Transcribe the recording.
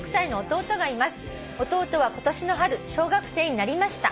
「弟は今年の春小学生になりました」